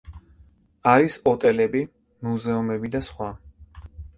არის ოტელები, მუზეუმები და სხვა.